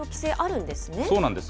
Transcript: そうなんです。